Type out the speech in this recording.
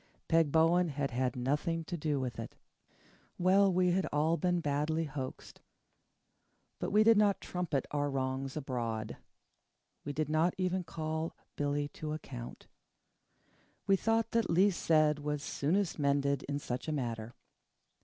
Peg Bowen had had nothing to do with it. Well, we had all been badly hoaxed. But we did not trumpet our wrongs abroad. We did not even call Billy to account. We thought that least said was soonest mended in such a matter.